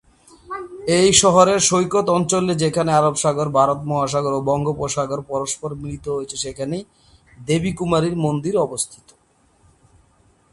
এই শহরের সৈকত অঞ্চলে যেখানে আরব সাগর, ভারত মহাসাগর ও বঙ্গোপসাগর পরস্পর মিলিত হয়েছে, সেখানেই দেবী কুমারীর মন্দির অবস্থিত।